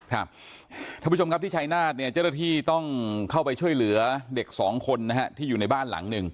ท่านผู้ชมครับที่ชายนาฏเนี่ยเจ้าหน้าที่ต้องเข้าไปช่วยเหลือเด็กสองคนนะฮะที่อยู่ในบ้านหลังหนึ่ง